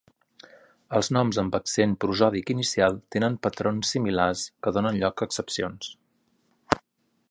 Els noms amb accent prosòdic inicial tenen patrons similars que donen lloc a excepcions.